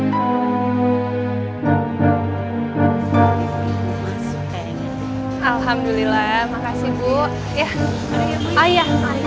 berhutup bu ya